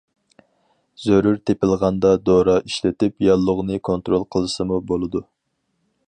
زۆرۈر تېپىلغاندا دورا ئىشلىتىپ ياللۇغنى كونترول قىلسىمۇ بولىدۇ.